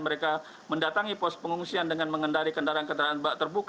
mereka mendatangi pos pengungsian dengan mengendari kendaraan kendaraan terbuka ataupun truk